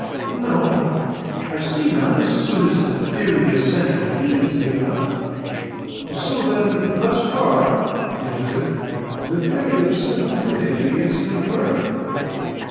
"No; I see none, as soon as the theory of central heat is given up." "So then, thus far," he answered, "the theory of Sir Humphry Davy is confirmed."